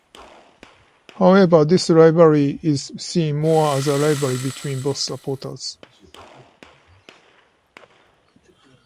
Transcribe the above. However, this rivalry is seen more as a rivalry between both supporters.